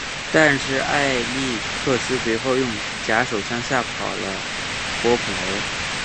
但是艾力克斯随后用假手枪吓跑了伯普雷。